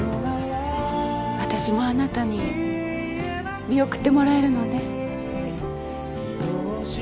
私もあなたに見送ってもらえるのね。